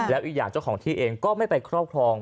แล้วอีกอย่างเจ้าของที่เองก็ไม่ไปครอบครอง